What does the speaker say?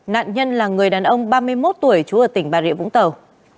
nạn nhân là người đàn ông ba mươi một tuổi trú ở tỉnh bà rịa vũng tàu